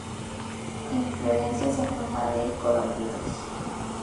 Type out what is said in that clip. Inflorescencias en forma de corimbos.